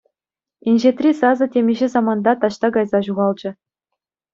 Инҫетри сасӑ темиҫе саманта таҫта кайса ҫухалчӗ.